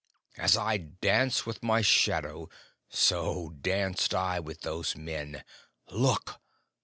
As I dance with my shadow, so danced I with those men. Look!"